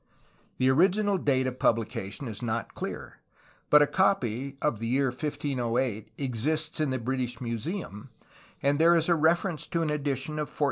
The original date of publication is not clear, but a copy of the year 1508 exists in the British Museum, and there is a reference to an edition of 1498.